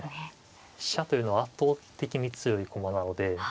飛車というのは圧倒的に強い駒なので。